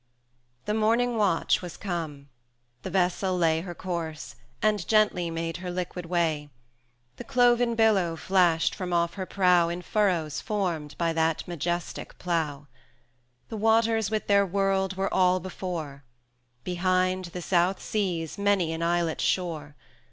I. The morning watch was come; the vessel lay Her course, and gently made her liquid way;[ex] The cloven billow flashed from off her prow In furrows formed by that majestic plough; The waters with their world were all before; Behind, the South Sea's many an islet shore.